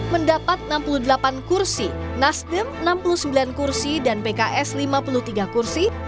mendapat enam puluh delapan kursi nasdem enam puluh sembilan kursi dan pks lima puluh tiga kursi